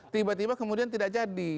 tiba tiba kemudian tidak jadi